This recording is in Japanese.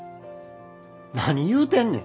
何言うてんねん。